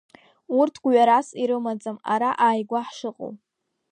Урҭ гәҩарас ирымаӡам ара ааигәа ҳшыҟоу.